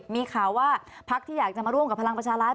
มีข่าวว่าพักที่อยากจะมาร่วมกับพลังประชารัฐ